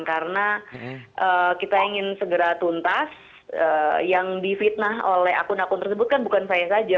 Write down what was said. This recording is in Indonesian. karena kita ingin segera tuntas yang divitnah oleh akun akun tersebut kan bukan saya saja